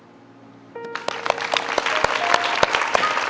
พี่แขกครับแล้ววันนี้ที่มารายการเกมต่อชีวิตนะครับเป้าหมายของพี่อยากได้ทุนไปทำอะไรครับพี่